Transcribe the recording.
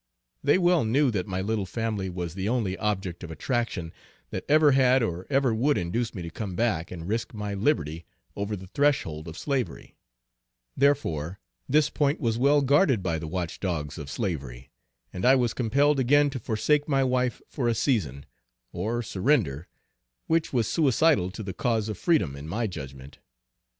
They well knew that my little family was the only object of attraction that ever had or ever would induce me to come back and risk my liberty over the threshold of slavery therefore this point was well guarded by the watch dogs of slavery, and I was compelled again to forsake my wife for a season, or surrender, which was suicidal to the cause of freedom, in my judgment.